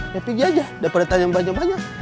ya pergi aja udah pada tanya banyak banyak